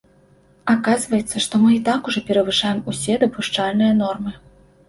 Аказваецца, што мы і так ужо перавышаем усе дапушчальныя нормы.